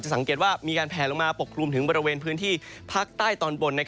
สังเกตว่ามีการแผลลงมาปกคลุมถึงบริเวณพื้นที่ภาคใต้ตอนบน